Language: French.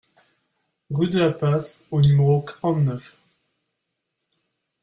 Rue de la Passe au numéro quarante-neuf